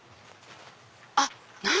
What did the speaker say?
あっ！